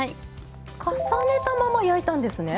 重ねたまま焼いたんですね？